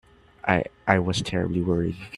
I—I was terribly worried.